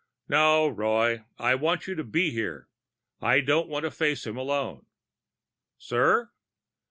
"No, Roy. I want you to be here. I don't want to face him alone." "Sir?"